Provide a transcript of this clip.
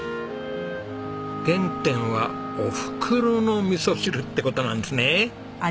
原点はおふくろのみそ汁って事なんですね。